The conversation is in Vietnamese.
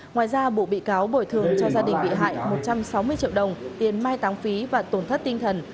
ngoài ra bộ bị cáo bồi thường cho gia đình bị hại một trăm sáu mươi triệu đồng tiền mai táng phí và tổn thất tinh thần